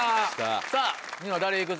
さぁニノ誰いく？